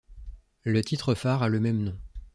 Le titre-phare a le même nom.